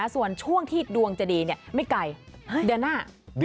ส่วนช่วงที่ดวงจะดีไม่ไกลเดือนหน้า